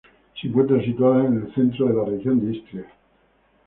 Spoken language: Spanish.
Se encuentra situada en centro de la región de Istria.